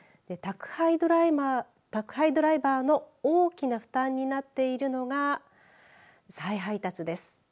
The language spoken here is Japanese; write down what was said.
宅配ドライバーの大きな負担になっているのが再配達です。